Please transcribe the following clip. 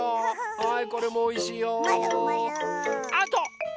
はい！